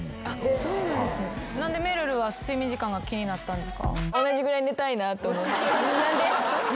何でめるるは睡眠時間が気になったんですか？